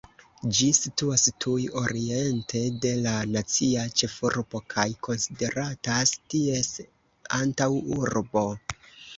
Ĝi situas tuj oriente de la nacia ĉefurbo kaj konsideratas ties antaŭurbo.